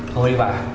thôi đi bạn